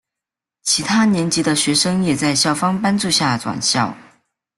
其他年级的学生也在校方帮助下转校。